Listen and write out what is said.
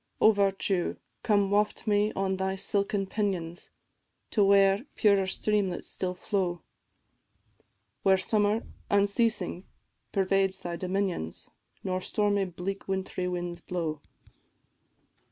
O Virtue, come waft me on thy silken pinions, To where purer streamlets still flow, Where summer, unceasing, pervades thy dominions, Nor stormy bleak wint'ry winds blow.